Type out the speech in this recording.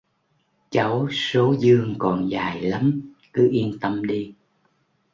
cháu số dương còn dài lắm cứ yên tâm đi